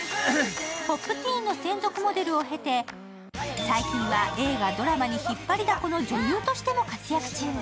「Ｐｏｐｔｅｅｎ」の専属モデルを経て最近は映画、ドラマに引っ張りだこの女優としても活躍中。